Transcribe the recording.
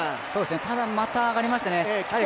また上がりましたね。